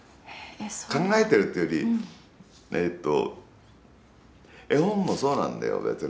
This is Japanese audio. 考えてるというより、えーっと絵本もそうなんだよ、別に。